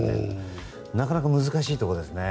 なかなか難しいところですね。